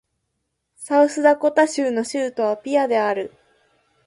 サウスダコタ州の州都はピアである